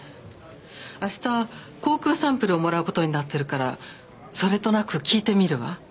明日口腔サンプルをもらう事になってるからそれとなく聞いてみるわ。